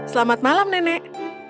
selamat malam nenek